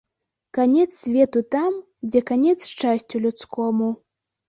Канец свету там, дзе канец шчасцю людскому.